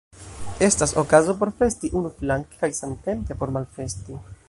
Estas okazo por festi unuflanke kaj samtempe por malfesti.